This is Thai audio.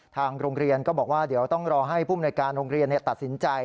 ทางโรงเรียนก็บอกว่าเดี๋ยวต้องรอให้ผู้มนวยการโรงเรียนตัดสินใจ